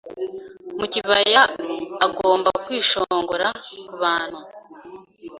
mu kibaya agomba kwishongora kubantu